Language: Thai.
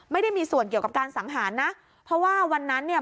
ไม่ได้มีส่วนเกี่ยวกับการสังหารนะเพราะว่าวันนั้นเนี่ย